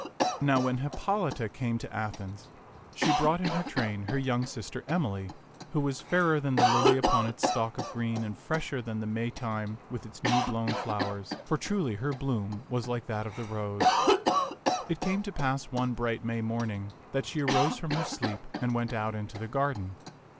Now when Hippolita came to Athens, she brought 24 t^t Mnxs^fB tak in her train her young sister Emily, who was fairer than the lily upon its stalk of green and fresher than the Maytime with its new blown flowers, for truly her bloom was like that of the rose. It came to pass one bright May morning that she arose from her sleep and went out into the garden.